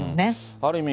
ある意味、